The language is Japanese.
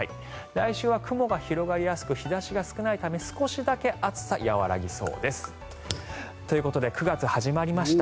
来週は雲が広がりやすく日差しが少ないため少しだけ暑さが弱まりそうです。ということで９月始まりました。